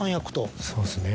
そうですね。